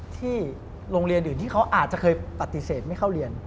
ที่โรงเรียนอื่นที่เขาอาจจะเคยปฏิเสธไม่เข้าเรียน